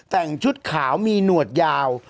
แต่งชุดขาวมีหนวดยาว